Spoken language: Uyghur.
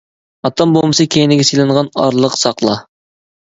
ئاتوم بومبىسى كەينىگە سېلىنغان، ئارىلىق ساقلا!